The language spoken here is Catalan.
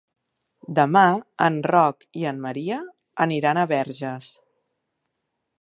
Demà en Roc i en Maria aniran a Verges.